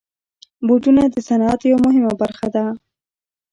بوټونه د صنعت یوه مهمه برخه ده.